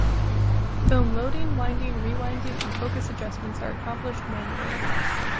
Film loading, winding, rewinding, and focus adjustments are accomplished manually.